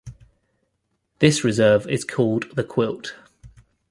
This reserve is called the quilt.